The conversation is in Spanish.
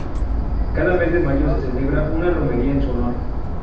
Cada mes de mayo se celebra una romería en su honor.